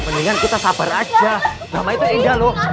mendingan kita sabar aja lama itu indah lo